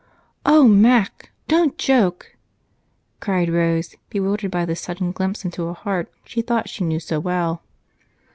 "Oh, Mac, don't joke!" cried Rose, bewildered by this sudden glimpse into a heart she thought she knew so well.